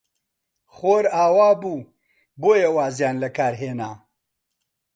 خۆر ئاوا بوو، بۆیە وازیان لە کار هێنا.